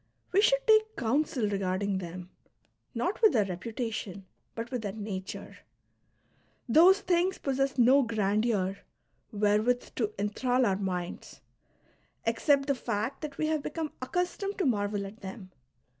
we should take counsel regarding them, not with their reputation but with their nature ; those things possess no grandeur wherewith to enthral our minds, except the fact that we have become accustomed to marvel at them.